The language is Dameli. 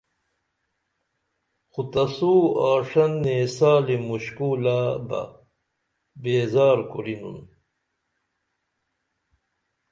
خو تسو آݜن نیسالی مُشکُلہ بہ بیزار کُرینُن